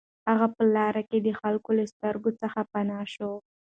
هغه په لاره کې د خلکو له سترګو څخه پناه شو